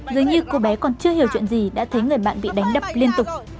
dưới như cô bé còn chưa hiểu chuyện gì đã thấy người bạn bị đánh đập liên tục